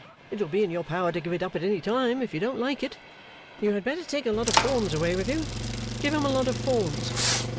It will be in your power to give it up at any time, if you don't like it. You had better take a lot of forms away with you. Give him a lot of forms!